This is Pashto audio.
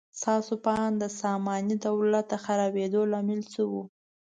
ستاسو په اند د ساماني دولت د خرابېدو لامل څه و؟